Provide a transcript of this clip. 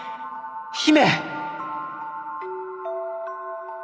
姫！